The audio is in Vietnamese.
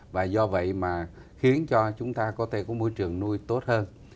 và do vậy mà khiến cho chúng ta có thể có môi trường nuôi tốt hơn